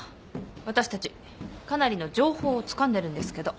私たちかなりの情報をつかんでるんですけど。